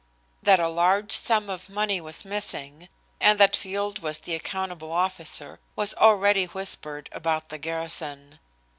That a large sum of money was missing, and that Field was the accountable officer, was already whispered about the garrison.